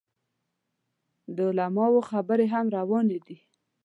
د علماو خبرې هم روانې دي.